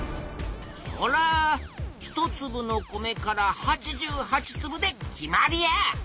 そら「１つぶの米から８８つぶ」で決まりや！